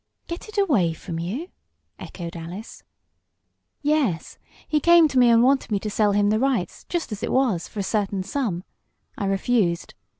"Get it away from you?" echoed Alice. "Yes. He came to me and wanted me to sell him the rights, just as it was, for a certain sum. I refused.